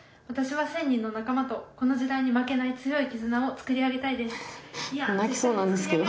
私は１，０００人の仲間とこの時代に負けない強い絆を作り上げたいです。